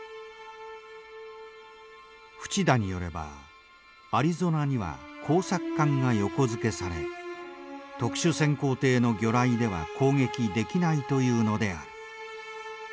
淵田によればアリゾナには工作艦が横付けされ特殊潜航艇の魚雷では攻撃できないというのである。